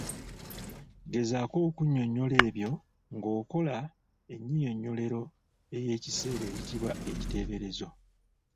Gezaako okunnyonnyola ebyo ng’okola ennyinyonnyolero ey’ekiseera eyitibwa ekiteeberezo.